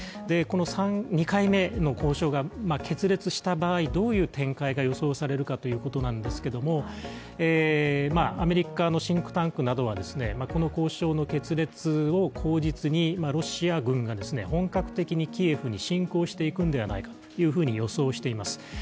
この２回目の交渉が決裂した場合どういう展開が予想されるかということなんですけれどもアメリカのシンクタンクなどはこの交渉の決裂を口実にロシア軍が本格的にキエフに侵攻していくのではないかと予想しています。